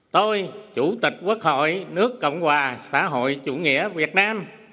tôi chủ tịch quốc hội nước cộng hòa xã hội chủ nghĩa việt nam